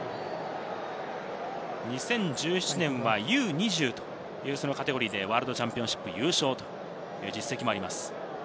２０１７年はＵ−２０というカテゴリーでワールドチャンピオンシップ優勝という実績があります。